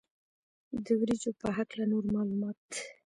د وریجو په هکله نور معلومات.